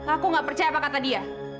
aku gak percaya apa kata dia